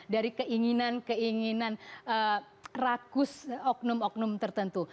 dari keinginan keinginan rakus oknum oknum tertentu